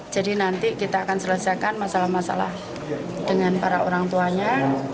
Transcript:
jadi nanti kita akan selesaikan masalah masalah dengan para orang tuanya